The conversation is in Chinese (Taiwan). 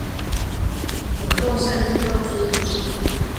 主動善盡告知義務